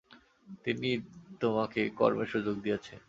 তিনি তোমাকে কর্মের সুযোগ দিয়াছেন।